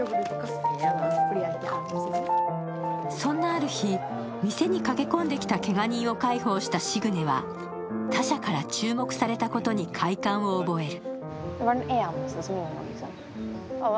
そんなある日、店に駆け込んできたけが人を介抱したシグネは、他者から注目されたことに快感を覚える。